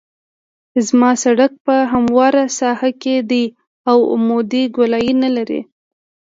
زما سرک په همواره ساحه کې دی او عمودي ګولایي نلري